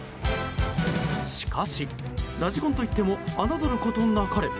しかし、ラジコンといっても侮ることなかれ。